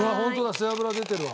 背脂出てるわ。